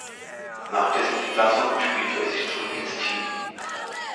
Nach dessen Entlassung spielte er sich zurück ins Team.